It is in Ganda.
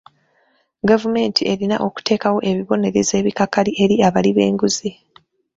Gavumenti erina okuteekawo ebibonerezo ebikakali eri abali b'enguzi